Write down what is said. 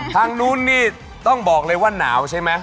ทางนู้นนี่ต้องบอกเลยว่าหนาวใช่ไหม